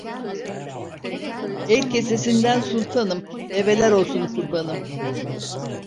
El kesesinden sultanım, develer olsun kurbanım.